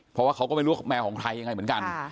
เพราะว่าเขาก็ไม่รู้ว่าแมวของใครยังไงเหมือนกัน